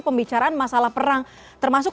pembicaraan masalah perang termasuk